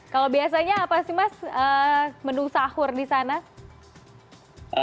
kalau biasanya apa sih mas menu sahur di sana